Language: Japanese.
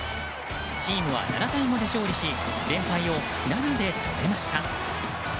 チームは７対５で勝利し連敗を７で止めました。